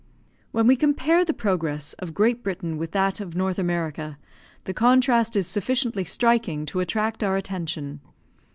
When we compare the progress of Great Britain with that of North America, the contrast is sufficiently striking to attract our attention.